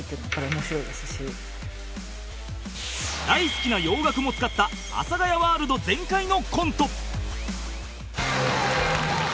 大好きな洋楽も使った阿佐ヶ谷ワールド全開のコント